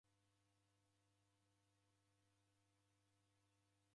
Wakabwa ngonde ya Kidari